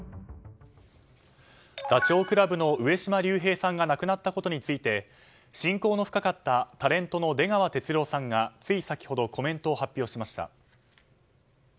ダチョウ倶楽部の上島竜兵さんが亡くなったことについて親交の深かったタレントの出川哲朗さんがつい先ほどコメントを発表しました。